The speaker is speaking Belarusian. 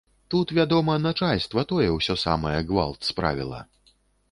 Тут, вядома, начальства, тое ўсё самае, гвалт справіла.